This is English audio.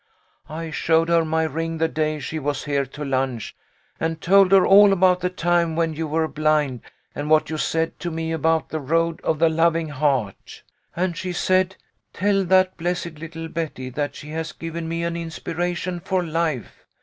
I showed her my ring the day she was here to lunch, and told her all about the time when you were blind and what you said to me about the Road of the Loving Heart. And she said, ' Tell that blessed little Betty that she has given me an inspiration for life.